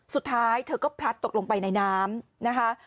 สุดท้ายเธอก็พลัดตกลงไปในน้ำนะคะ